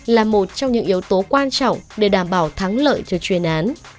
là một trong những yếu tố quan trọng để đảm bảo thắng lợi cho chuyên án